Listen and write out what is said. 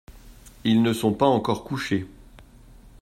Ils ne sont pas encore couchés.